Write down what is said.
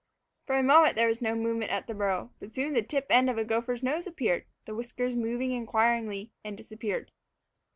For a moment there was no movement at the burrow. But soon the tip end of a gopher's nose appeared, the whiskers moving inquiringly, and disappeared.